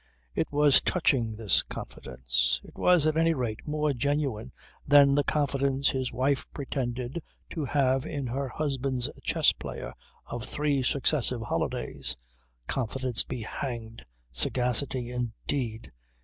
It was touching, this confidence. It was at any rate more genuine than the confidence his wife pretended to have in her husband's chess player, of three successive holidays. Confidence be hanged! Sagacity indeed!